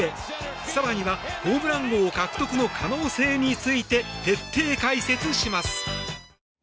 更にはホームラン王獲得の可能性について徹底解説します。